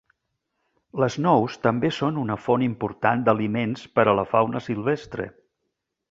Les nous també són una font important d'aliments per a la fauna silvestre.